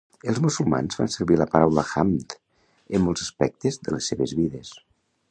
Els musulmans fan servir la paraula "Hamd" en molts aspectes de les seves vides.